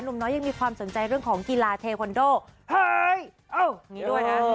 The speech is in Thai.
หนุ่มน้อยยังมีความสนใจเรื่องของกีฬาเทศคอนโดเห้ยโอ้นี้ด้วยนะ